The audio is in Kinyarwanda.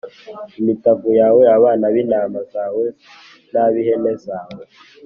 imitavu yawe, abana b’intama zawe n’ab’ihene zawe.